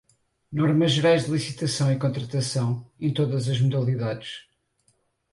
normas gerais de licitação e contratação, em todas as modalidades